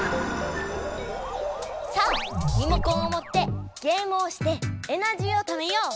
さあリモコンをもってゲームをしてエナジーをためよう！